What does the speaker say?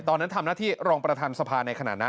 ตอนนั้นทำหน้าที่รองประธานสภาในขณะนั้น